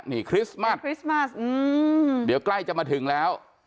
นี่คริสต์มัสคริสต์มัสเดี๋ยวใกล้จะมาถึงแล้ว